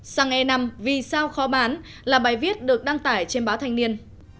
xăng e năm vì sao khó bán là bài viết được đăng tải trên báo thanh niên